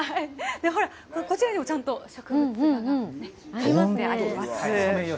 ほら、こちらにもちゃんと植物画がありますね。